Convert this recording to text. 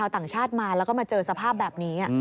ชาวต่างชาติมาแล้วมาเจอสภาพแบบเนี้ย